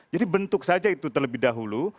jadi bentuk saja itu terlebih dahulu